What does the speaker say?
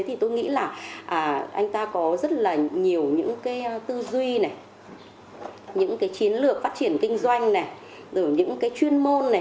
thì tôi nghĩ là anh ta có rất là nhiều những tư duy những chiến lược phát triển kinh doanh những chuyên môn